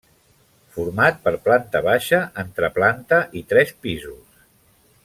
Format per planta baixa, entreplanta i tres pisos.